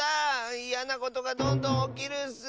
いやなことがどんどんおきるッス！